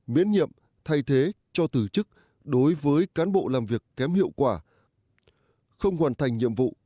miễn nhiệm thay thế cho từ chức đối với cán bộ làm việc kém hiệu quả không hoàn thành nhiệm vụ